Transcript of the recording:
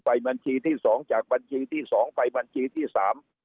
บัญชีที่สองจากบัญชีที่สองไปบัญชีที่สาม